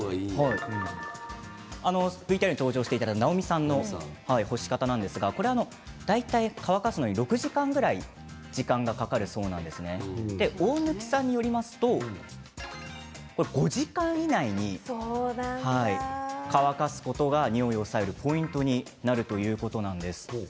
ＶＴＲに登場したなおみさんなんですが大体、乾かすのに６時間ぐらい時間がかかるそうなんですが大貫さんによりますと５時間以内に乾かすことがにおいを抑えるポイントになるということがあったんです。